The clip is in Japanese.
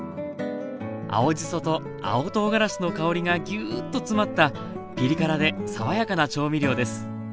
青じそと青とうがらしの香りがギューッと詰まったピリ辛で爽やかな調味料です